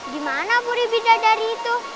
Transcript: dimana puri bidadari itu